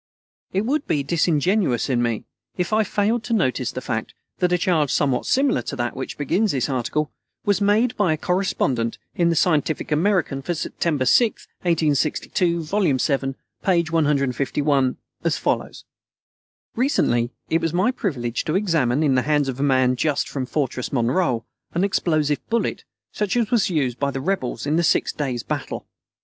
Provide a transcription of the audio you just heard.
It would be disingenuous in me if I failed to notice the fact that a charge somewhat similar to that which begins this article was made by a correspondent in the Scientific American for September 6th, 1862, volume VII, page 151, as follows: Recently it was my privilege to examine, in the hands of a man just from Fortress Monroe, an explosive bullet, such as was used by the Rebels in the six days' battle.